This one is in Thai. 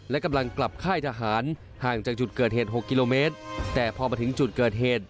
และกำลังกลับค่ายทหารห่างจากจุดเกิดเหตุ๖กิโลเมตรแต่พอมาถึงจุดเกิดเหตุ